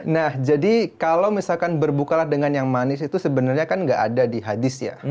nah jadi kalau misalkan berbukalah dengan yang manis itu sebenarnya kan nggak ada di hadis ya